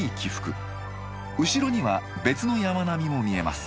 後ろには別の山並みも見えます。